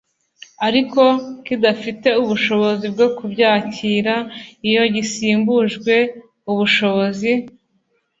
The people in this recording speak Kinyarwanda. ariko kidafite ubushobozi bwo kubyakira. iyo gisumbijwe ubushobozi